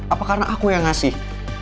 apa karena aku yang ngasih